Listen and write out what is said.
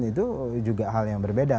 itu juga hal yang berbeda